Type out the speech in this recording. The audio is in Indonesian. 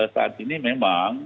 saat ini memang